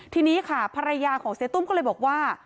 ทีนี้ค่ะภรรยาของเสียตุ้มก็เลยบอกว่า